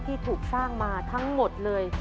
ที่ถูกสร้างมาทั้งหมดเลย